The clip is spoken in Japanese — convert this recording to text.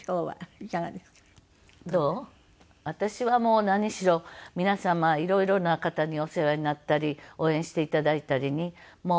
私はもう何しろ皆様色々な方にお世話になったり応援して頂いたりに恩返し。